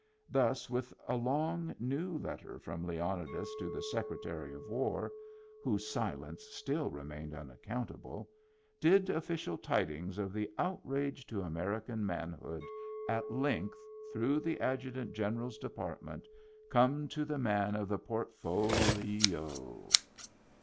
Thus, with a long new let ter from Leonidas to the Secretary of War (whose Digitized by Google ii8 MEMBERS OF THE FAMILY silence still remained unaccountable), did official tidings of the outrage to American manhood at length, through the Adjutant General's Depart ment, come to the man of the "portofolee — O.